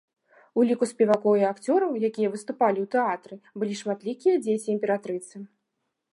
У ліку спевакоў і акцёраў, якія выступалі ў тэатры, былі шматлікія дзеці імператрыцы.